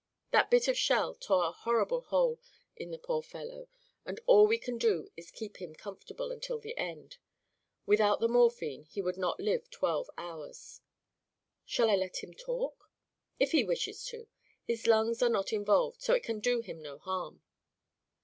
That bit of shell tore a horrible hole in the poor fellow and all we can do is keep him comfortable until the end. Without the morphine he would not live twelve hours." "Shall I let him talk?" "If he wishes to. His lungs are not involved, so it can do him no harm."